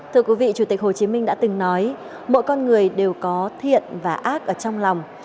thưa quý vị chủ tịch hồ chí minh đã từng nói mỗi con người đều có thiện và ác ở trong lòng